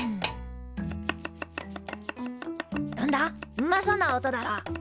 うまそうな音だろ？